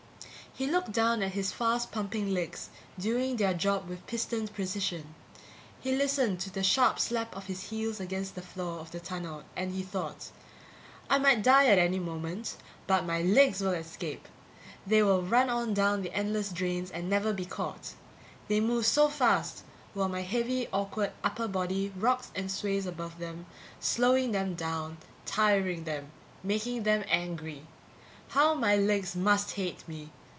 He looked down at his fast pumping legs, doing their job with pistoned precision. He listened to the sharp slap of his heels against the floor of the tunnel and he thought: I might die at any moment, but my legs will escape! They will run on down the endless drains and never be caught. They move so fast while my heavy awkward upper body rocks and sways above them, slowing them down, tiring them making them angry. How my legs must hate me!